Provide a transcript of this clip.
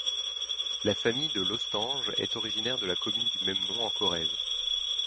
La famille de Lostanges est originaire de la commune du même nom en Corrèze.